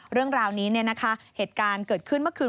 เรื่องราวนี้เหตุการณ์เกิดขึ้นเมื่อคืน